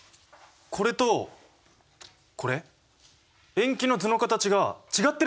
これとこれ塩基の図の形が違ってるじゃないですか。